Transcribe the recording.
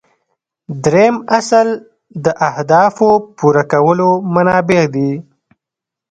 دریم اصل د اهدافو پوره کولو منابع دي.